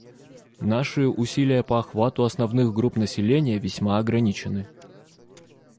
Наши усилия по охвату основных групп населения весьма ограничены.